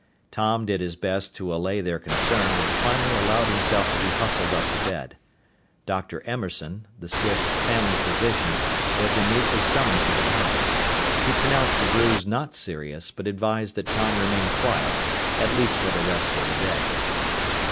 Tom did his best to allay their concern, but finally allowed himself to be hustled up to bed. Dr. Emerson, the Swifts' family physician, was immediately summoned to the house. He pronounced the bruise not serious, but advised that Tom remain quiet, at least for the rest of the day.